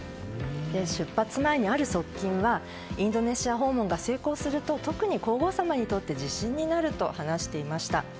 出発前にある側近はインドネシア訪問が成功すると特に皇后さまにとって自信になると話していました。